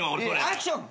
アクション！